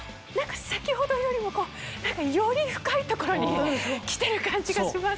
先程よりもより深い所に来てる感じがします。